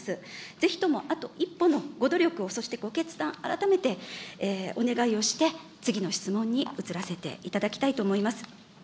ぜひともあと一歩のご努力を、そしてご決断、改めてお願いをして、次の質問に移らせていただきたいと思います。